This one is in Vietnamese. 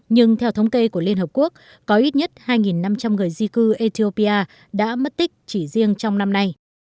nhưng theo thống kê của liên hợp quốc có ít nhất hai năm trăm linh người di cư ethiopia đã mất tích chỉ riêng trong năm nay